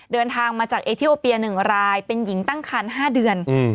เดินทางมาจากเอทิโอเปีย๑รายเป็นหญิงตั้งคัน๕เดือน